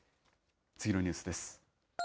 次のニュースです。